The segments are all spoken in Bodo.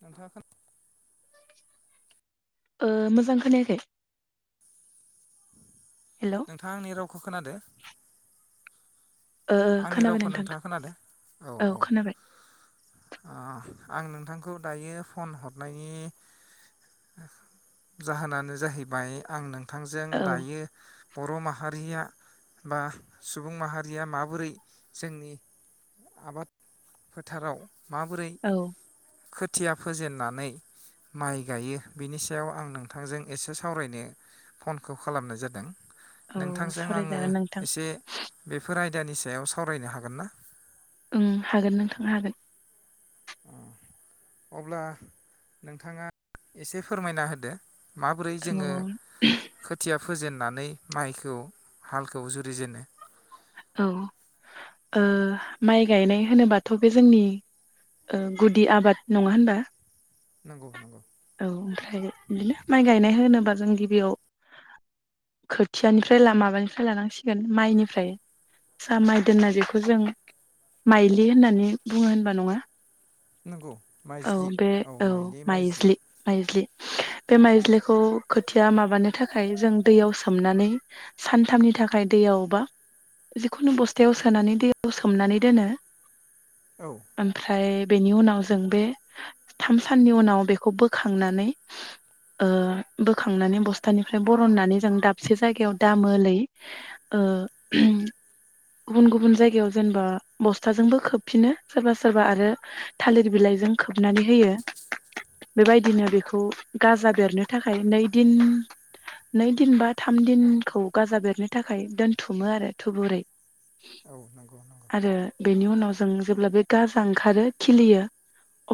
नोंथांआ मोजां खोनायाखै। हेलौ नोंथाङा आंनि रावखौ खोनादों? ओ खोनाबाय नोंथां खोनादो औ खोनाबाय। आं नोंथांखौ दायो फन हरनायनि जाहोनानो जाहैबाय आं नोंथ नोंथांजों औ दायो बर' माहारिया बा सुबुं माहारिया मा बोरै जोंनि आबाद फोथाराव माबोरै औ खोथिया फोेजेननानै माइ गायो बिनि सायाव आं नोंथांजों एसे सावरायनो फनखौ खालामनाय जादों। औ नोंथांजों आङो सावरायजागोन नोंथां एसे बेफोर आइ। दानि सायाव सावरायनो हागोन ना? ओं हागोन नोंथांनो हागोन। अब्ला नोंथाङा एसे फोरमायना होदो। माबोरै औ जोङो खोथिया फोजेन नानै माइखौ हालखौ जुरिजेनो। औ ओ माइ गायनाय होनोबाथ' बे जोंनि गुदि आबाद नङा होनबा। नंगौ नंगौ औ ओमफ्राय बिदिनो माइ गायनाय होनोबा- जों गिबियाव खोथियानिफ्राय माबानिफ्राय लानांसिगोन माइनिफ्राय- सा माइ दोनना जेखौ जों माइलि होननानै बुङो होनबा नङा? नंगौ औ माइज्लि बे औ माइलि माइज्लि माइज्लि। बे माइज्ललिखौ खोथिया माबानो थाखाय जों दैयाव सोमनानै सानथामनि थाखाय दैयाव बा जिखुनु बस्थायाव सोनानै दैयाव सोमनानै दोनो। औ ओमफ्राय बेनि उनाव जों बे थाम साननि उनाव बेखौ बोखांनानै ओ बोखांनानै बस्थानिफ्राय बरननानै जों दाबसे जायगायाव दामोलै ओ गुबुन गुबुन जायगायाव जेनेबा बस्थाजोंबो खोबफिनो सोरबा सोरबा आरो थालिर बिलाइजों खोबनानै होयो। बेबायदिनो बेखौ गाजा बेरनो थाखाय नै दिन नै दिन बा थाम दिनखौ गाजा बेरनो थाखाय दोनथुमो आरो। थुबुरै औ नंगौ नंगौ आरो बेनि उनाव जों जेब्ला बे गाजा ओंखारो खिलियो।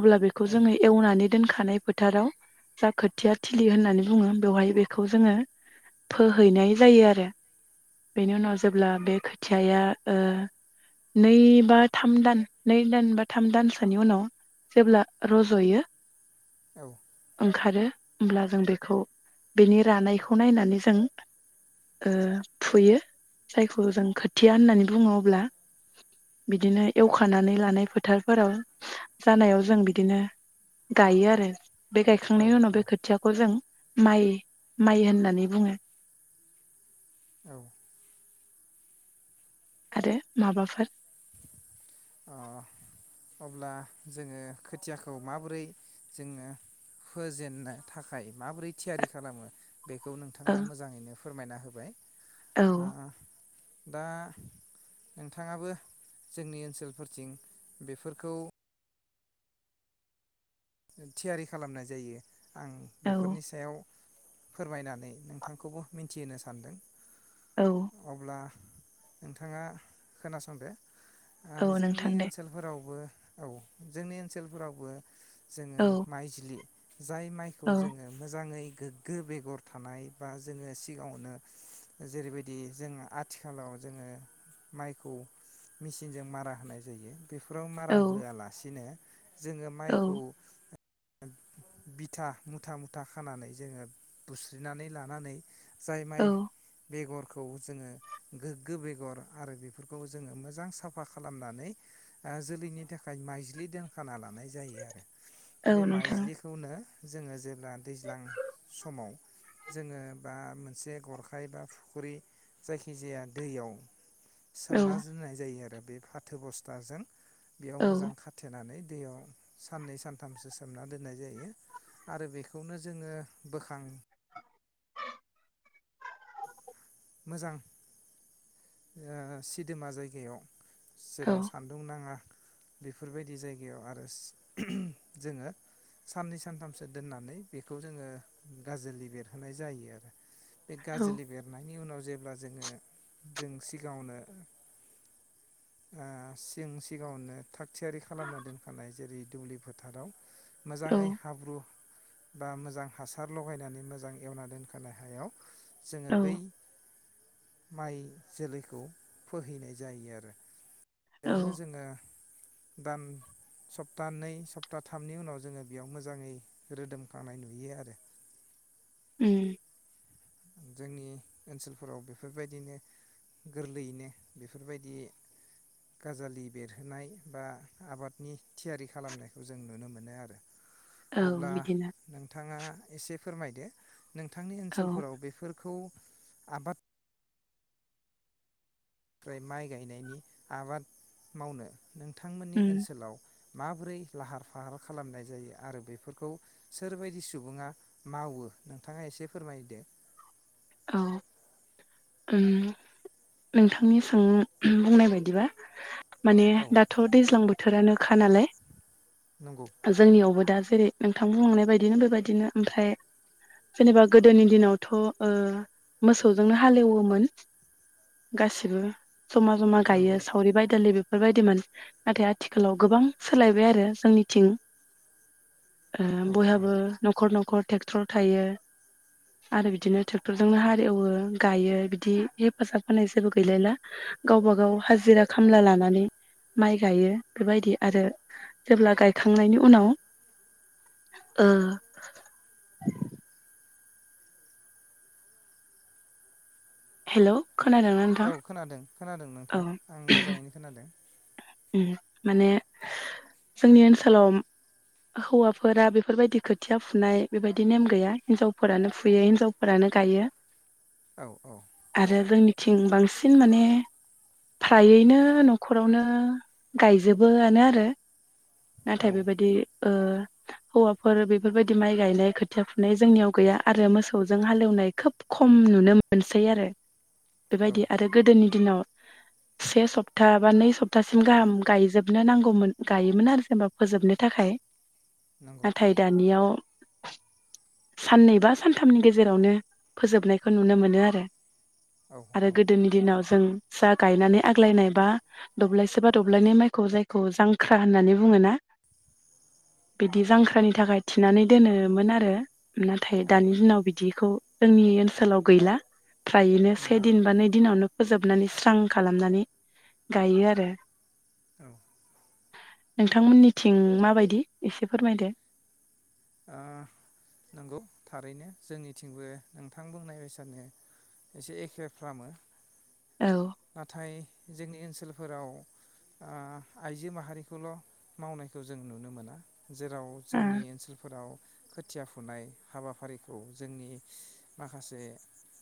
अब्ला बेखौ औ जोङो एवनानै दोनखानाय फोथाराव जा खोथिया थिलि होननानै बुङो बेवहाय बेखौ जोङो फोहैनाय जायो आरो बेनि उनाव जेब्ला बे खोथियाया ओ नै बा थाम दान नै दान बा थाम दानसोनि उनाव जेब्ला रज'यो औ ओंखारो होमब्ला जों बेखौ बेनि रानायखौ नायनानै जों ओ फुयो। जायखौ जों खोथिया होननानै बुङो अब्ला बिदिनो एवखानानै लानाय फोथारफोराव जानायाव जों बिदिनो गायो आरो। बे औ गायखांनायनि उनाव बे खोथियाखौ जों माइ माइ होननानै बुङो। औ आरो माबाफोर अब्ला जोङो खोथियाखौ माबोरै जोङो फजेननो थाखाय माबोरै थियारि खालामो? बेखौ नोंथाङा औ मोजाङैनो फोरमायना होबाय। औ ओ दा नोंथाङाबो जोंनि ओनसोल फोरथिं बेफोरखौ थियारि खालामनाय जायो। आं औ बेफोरनि सायाव फोरमायनानै नोंथांखौबो मिथिहोनो सानदों। औ अब्ला नोंथाङा खोनासंदो। आ औ जोंनि नोंथां दे ओनसोलफोरावबो औ जोंनि ओनसोलफोरावबो जोङो औ माइज्लि जाय माइखौ औ जोङो मोजाङै गोग्गो बेगर थानाय बा जोङो सिगाङावनो जेरैबायदि जों आथिखालाव जोङो माइखौ मिसिनजों मारा होनाय जायो। बेफोराव औ मारा होआलासिनो जोङो औ माइखौ बिथा मुथा मुथा खानानै जोङो बुस्रिनानै लानानै जाय औ माइ बेगर खौ जोङो गोग्गो बेगर आरो बेफोरखौ जोङो मोजां साफा खालामनानै जोलैनि थाखाय माइज्लि दोनखाना लानाय जायो आरो बे औ नोंथां माइज्लिखौनो जोङो जे ला दैज्लां समाव जोङो बा मोनसे गरखाय बा फुख्रि जायखिजाया दैयाव औ सोमना जोननाय जायो आरो बे फाथो बस्थाजों बेयाव औ मोजां खाथेनानै दैयाव सान सनै स सानथामसो सोमना दोननाय जायो आरो बेखौनो जोङो बोखां मोजां सिदोमा जायगायाव औ जेराव सान्दुं नाङा। बेफोरबायदि जायगायाव आरो जोङो साननै सानथामसो दोननानै बेखौ जोङो गाज्रिलि बेरहोनाय जायो आरो बे औ गाज्रिलि बेरनाय नि उनाव जेब्ला जोङो जों सिगाङावनो ओ सिं सिगाङावनो थाग थियारि खालामना दोनखानाय जेरै दुब्लि फोथाराव मोजाङै औ हाब्रु बा मोजां हासार लगायनानै मोजां एवना दोनखानाय हायाव जोङो औ बै माइ जोलैखौ फोहैनाय जायो आरो औ बेयावनो जोङो दान सप्ताानैै सप्ता थामनि उनाव जोङो बेयाव मोजाङै रोदोमखांनाय नुयो आरो उम जोंनि ओनसोलफोराव बेफोरबायदिनो गोरलैयैनो बेफोरबायदि गाजालि बेरहोनाय बा आबादनि थियारि खालामनायखौ जों नुनो मोनो आरो औ अब्ला बिदिनो नोंथाङा एसे फोरमायदो नोंथांनि औ ओनसोलफोराव बे फोरखौ आबाद आनिफ्राय माइ गायनायनि आबाद मावनो नोंथांमोननि उम ओनसोलाव माबोरै लाहार फाहार खालामनाय जायो आरो बेफोरखौ सोरबायदि सुबुङा मावो नोंथाङा एसे फोरमायदो औ ओं नोंथांनि सों बुंनाय बायदिबा माने औ दाथ दैज्लां बो थोरानोखा नालाय नंगौ जोंनियावबो दास जेरै नोंथां बुंलांनाय बायदिनो बेबायदिनो ओमफ्राय जेनेबा गोदोनि दिनावथ' ओ मोसौजोंनो ह हालेवोमोन गासिबो जमा जमा नंगौ गायो सावरि बाय दालि बे बेफोरबायदिमोन नाथाय आथिखालाव गोबां सोलायबाय आरो जोंनिथिं। ओ औ औ बयहाबो न'खर न'खर ट्रेक्टर थायो आरो बिदिनो ट्रेक्टरजोंनो हाल एवो। गायो बिदि हेफाजाब होनाय जेबो गैलायला गावबा गाव हाजिरा खामला लानानै माइ गायो बेबायदि आरो जेब्ला गायखांनायनि उनाव ओ हेलौ खोनादोंना औ नोंथां? खोनादों खोनादों नोंथां आं औ मोजाङैनो खोनादों। उम माने जोंनि ओनसोलाव हौवाफोरा बेफोरबायदि खोथिया फुनाय बेबायदि नेम गैया हिन्जावफोरानो फुयो हिन्जावफोरानो गायो। औ औ आरो जोंनि थिं बांसिन माने फ्रायैनो न'खरावनो गायजोबोआनो आरो नाथाय औ बेबायदि ओ हौवाफोर बेफोरबायदि माइ गायनाय खोथिया फुनाय जोंनियाव गैया आरो मोसौजों हालेवनाय खोब खम नुनो मोनसै आरो औ बेबायदि आरो गोदोनि दिनाव से सप्ता बा नै सप्तासिम गाहाम गायजोबनो नांगौमोन गायोमोन आरो जेनेबा फोजोबनो थाखाय नंगौ नाथाय दानियाव साननै बा सानथामनि गेजेरावनो फोजोबनायखौ नुनो मोनो आरो औ आरो औ गोदोनि दिनाव जों जा गायनानै आग्लायनाय बा दब्लायसे बा दब्लायनाय माइखौ जायखौ जांख्रा होननानै बुङोना बिदि जांख्रानि थाखाय थिनानै दोनोमोन आरो नाथाय दानि दिनाव बिदिखौ जोंनि ओनसोलाव गैला। फ्रायैनो से नंगौ दिन बा नै दिनावनो फोजाबनानैस स्रां खालामनानै गायो आरो औ नोंथांमोननिथिं माबायदि एसे फोरमायदो? ओ नंगौ थारैनो। जोंनिथिंबो नोंथां बुंनाय बायसानो एसे एखे खालामो। औ नाथाय जोंनि ओनसोलफोराव ओ आइजो माहारिखौल' मावनायखौ जों नुनो मोना। जेराव आ जोंनि ओनसोल औ खोथिया फुनाय हाबाफारिखौ जोंनि माखासे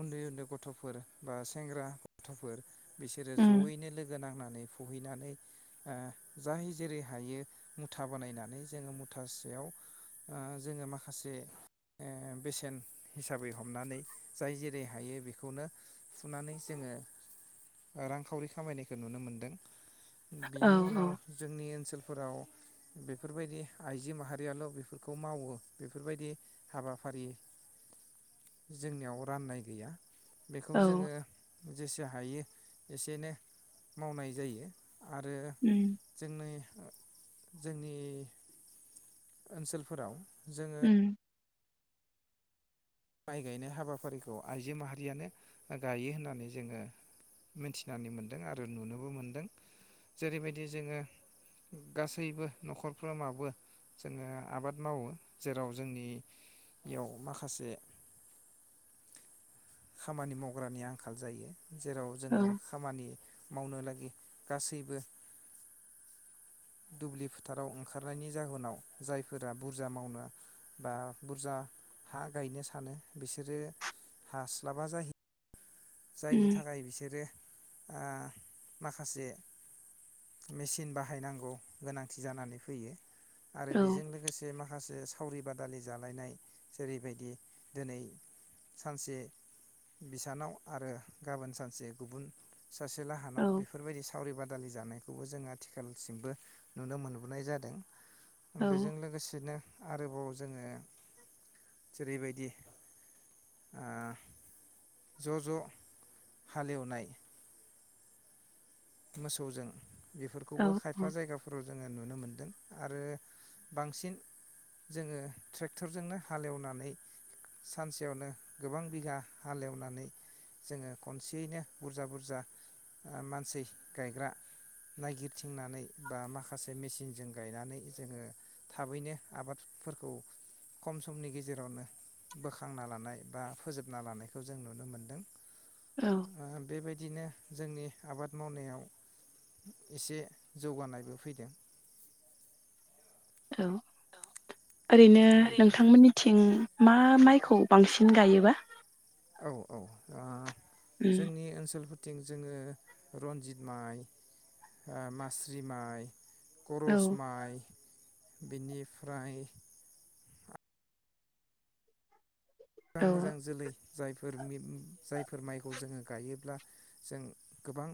उन्दै उन्दै गथ'फोर बा सेंग्रा गथ'फोर बिसोरो उम ज'यैनो लोगो नांनानै फुहैनानै ओ जाय जेरै हायो मुथा बानायनानै जोङो मुथासेयाव ओ जोङो माखासे ओ बेसेन हिसाबै हमनानै जाय जेरै हायो बेखौनो फुनानै जोङो रांखावरि खामायनायखौ नुनो मोनदों। औ बिनि उनाव औ जोंनि ओनसोलफोराव बेफोरबायदि आइजो माहारियाल' बेफोर खौ मावो बेफोरबायदि हाबाफारि जोंनियाव राननाय गैया। बेखौ औ जोङो जेसे हायो एसेनो मावनाय जायो। आरो उम जोंनि जोंनि ओनसोल फोराव उम माइ गायनाय हाबाफारिखौ आइजो माहारियानो गायो होननानै जोङो मिथिनानै मोनदों आरो नुनोबो मोनदों। जेरैबायदि जोङो गासैबो नखरफ्रामाबो जोङो आबाद मावो। जेराव जोंनियाव माखासे खामानि मावग्रानि आंखाल जायो। जेराव औ जोङो खामानि मावनो ला गासैबो दुब्लि फोथाराव ओंखारनायनि जाहोनाव जायफोरा बुरजा मावनो बा बुरजा हा गायनो सानो बिसोरो हास्लाबा जाहै जायनि उम थाखाय बिसोरो ओ माखासे मेसिन बाहायनांगौ गोनांथि जानानै फैयो। आरो औ बेजों लोगोसे मा खासे सावरि बादालि जालायनाय जेरैबायदि दिनै सानसे बिसानाव आरो गाबोन सानसे गुबुन सासे लाहानाव औ बेफोरबायदि सावरि बादालि जानायखौबो जों आथिखालसिमबो नुनो मोनबोनाय जादों। औ बेजों लोगोसेनो आरोबाव जोङो जेरैबायदि आ ज' ज' हालेवनाय मोसौजों औ बेफोरखौबो खायफा जायगाफोराव जोङो नुनो मोन्दों। आरो बांसिन जोङो ट्रेक्टरजोंनो हालेवनानै सानसेयावनो गोबां बिगा हालेवनानै जोङो खनसेयैनो बुरजा बुरजा आ मानसै गायग्रा नायगिरथिंनानै बा माखासे मेसिनजों गायनानै जोङो थाबैनो आबादफोरखौ खम समनि गेजेरावनो बोखांना लानाय बा फोजोबना लानायखौ जों नुनो मोनदों। औ ओ बेबायदिनो जोंनि आबाद मावनायाव एसे जौगानायबो फैदों। औ ओरैनो बे नोंथांमोननि थिं मा माइखौ बांसिन गायोबा? औ औ दा उम जोंनि ओनसोलफोर थिं जोंङो रन्जित माइ ओ मास्रि माइ औ करसमाइ बिनिफ्राय मोजां औ मोजां जोलै जायफोर जायफोर माइखौ जोङो गायोब्ला जों गोबां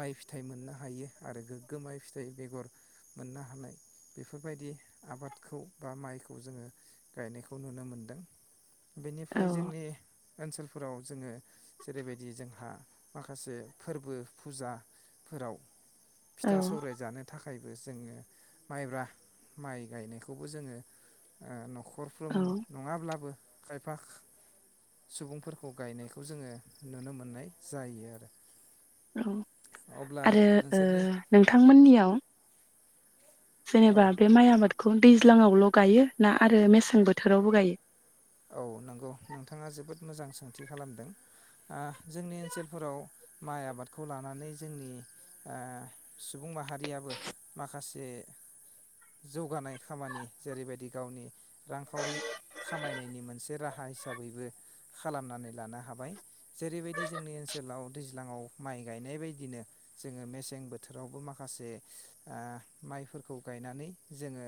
माइ फिथाइ मोननो हायो आरो गोग्गो माइ फिथाइ बेगर मोननो हानाय बेफोरबायदि आबादखौ बा माइखौ जोङो गायनायखौ नुनो मोनदों। बेनिफ्राय औ जोंनि ओनसोलफोराव जोंङो जेरैबायदि जोंहा माखासे फोरबो फुजाफोराव औ फिथा सौराय जानो थाखाय थाखायबो जोंङो माइब्रा माइ गायनायखौबो जोंङो नखर खरफ्रोम औ नंङाब्लाबो खायफा सुबुंफोरखौ गायनायखौ जोंङो नुनो मोननाय जायो आरो औ अब्ला आरो ओ नोंसोरनि नोंथांमोननियाव औ जनेेबा बे माय आबाद बे खौ दैज्लाङावल गायो ना आरो मेसें बोथोरावबो गायो? औ नंगौ नोंथाङा जोबोद मोजां सोंथि खालामदों। जोंनि ओनसोलफोराव माइ आबादखौ लानानै जोंनि ओ सुबुं माहारियाबो माखासे जौगानाय खामानि जेरैबायदि गावनि रांखावरि खामायनायनि मोनसे राहा हिसाबैबो खालामनानै लानो हाबाय। जेरैबायदि जोंनि ओनसोलाव दैज्लाङाव माइ गायनाय बायदिनो जोंङो मेसें बोथोरावबो माखासे माइफोरखौ गायनानै जोंङो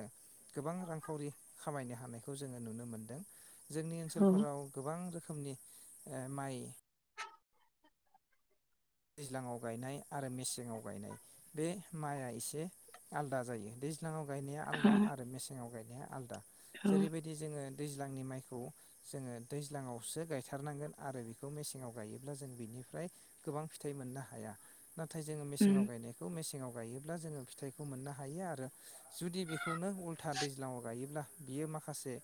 गोबां रांखावरि खामायनो हानायखौ जोंङो नुनो मोनदों जोंनि औ ओनसोलफोराव गोबां रोखोमनि ओ माइ दैज्लाङाव गायनाय आरो मेसेंआव गायनाय बे माइआ एसे आलदा जायो दैज्लाङाव गायनाया औ आलदा आरो मेसे आव गायनाया आलदा औ जेरैबायदि जोंङो दैज्लांनि माइखौ जोंङो दैज्लाङावसो गायथारनांगोन आरो बिखौ मेसेङाव गायोब्ला जों बिनिफ्राय गोबां फि- थाइ मोननो हाया नाथाय जोंङो उम मेसेङाव गनायखौ मेसेंआव गायो अब्ला जोंङो फिथाइखौ मोननो हायो आरो जुदि बेखौनो उल्था दैज्लाङाव गायोब्ला बियो माखासे